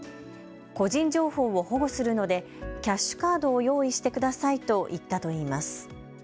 個人情報を保護するのでキャッシュカードを用意してくださいと言ったといいます。